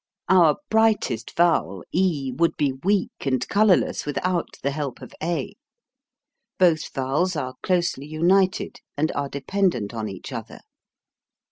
Our brightest vowel e would be weak and 86 HOW TO SING colorless without the help of a. Both vowels are closely united and are dependent on each other.